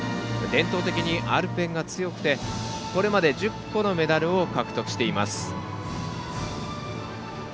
伝統的にアルペンが強くてこれまで１０個のメダルを獲得しています。